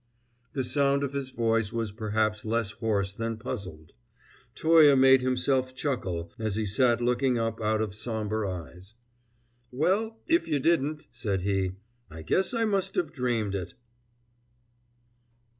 The sound of his voice was perhaps less hoarse than puzzled. Toye made himself chuckle as he sat looking up out of somber eyes. "Well, if you didn't," said he, "I guess I must have dreamed it!"